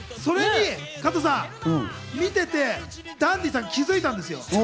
加藤さん、見ていてダンディさんが気付いたんですよ。